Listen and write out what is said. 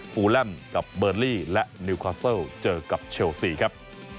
ูแลมกับเบอร์ลี่และนิวคาเซิลเจอกับเชลซีครับ